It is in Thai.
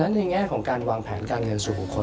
แล้วในแง่ของการวางแผนการเงินสู่ผู้คน